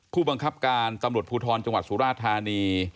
ผู้บังคับการธภูทรจังหวัดสุราภารณี